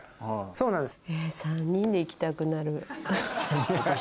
そうなんです。